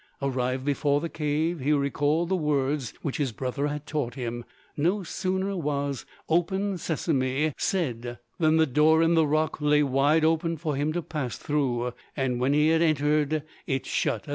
Arrived before the cave, he recalled the words which his brother had taught him; no sooner was "Open, Sesamé!" said than the door in the rock lay wide for him to pass through, and when he had entered it shut again.